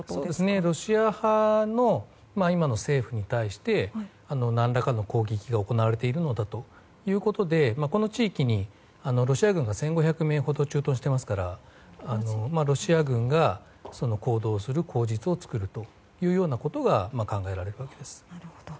ロシア派の今の政府に対して何らかの攻撃が行われているのだということでこの地域にロシア軍が１５００名ほど駐屯していますからロシア軍がその行動をする口実を作るということが考えられるわけです。